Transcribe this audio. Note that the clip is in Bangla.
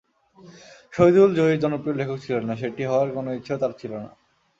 শহীদুল জহির জনপ্রিয় লেখক ছিলেন না, সেটি হওয়ার কোনো ইচ্ছেও তাঁর ছিল না।